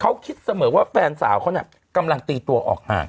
เขาคิดเสมอว่าแฟนสาวเขาน่ะกำลังตีตัวออกห่าง